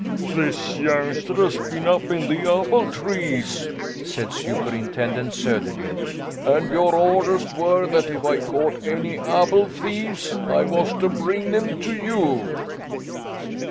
"This youngster has been up in an apple tree," said Superintendent Söderlind, "and your orders were that if I caught any apple thieves I was to bring them to you."